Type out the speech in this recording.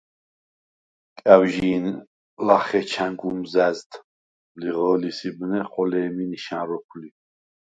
კა̈ვჟი̄ნ ლახე ჩა̈ნგ უმზა̈ზდ ლიღჷ̄ლის იბნე, ხოლე̄მი ნიშა̈ნ როქვ ლი.